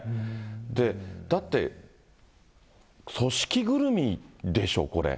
で、だって、組織ぐるみでしょ、これ。